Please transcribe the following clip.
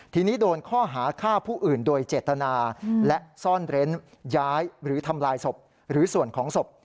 ทีนี้โดนข้อหาฆ่าผู้อื่นโดยเจตนาและซ่อนเร้นย้ายหรือทำลายศพหรือส่วนของศพ